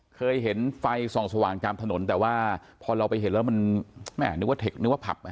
เคยเห็นไฟที่ส่องสวางจ่ามถนนแต่พอเราไปเห็นแล้วมันเผลือกว่าพับ